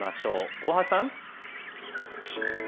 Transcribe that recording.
大橋さん。